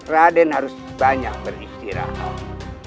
raden harus banyak beristirahat